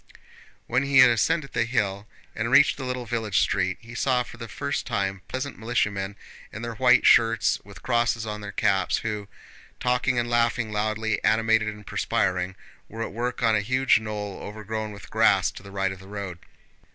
When he had ascended the hill and reached the little village street, he saw for the first time peasant militiamen in their white shirts and with crosses on their caps, who, talking and laughing loudly, animated and perspiring, were at work on a huge knoll overgrown with grass to the right of the road.